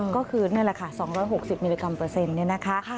ก็คือนั่นแหละค่ะ๒๖๐มิลลิกรัมเปอร์เซ็นต์เนี่ยนะคะ